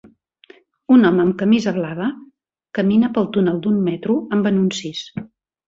Un home amb camisa blava camina pel túnel d'un metro amb anuncis.